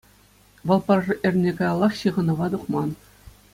Вӑл пӗр эрне каяллах ҫыхӑнӑва тухман.